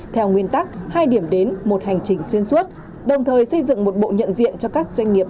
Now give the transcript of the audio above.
theo nguyên tắc hai điểm đến một hành trình xuyên suốt đồng thời xây dựng một bộ nhận diện cho các doanh nghiệp